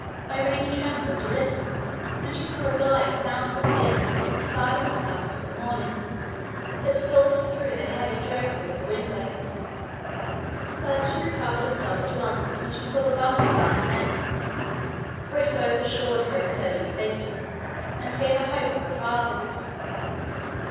Irene trembled a little when she saw her glide soundless in across the silent dusk of the morning, that filtered through the heavy drapery of the windows, but she recovered herself at once when she saw the bundle about her neck, for it both assured her of Curdie's safety, and gave her hope of her father's.